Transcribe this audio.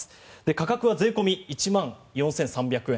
価格は税込み１万４３００円。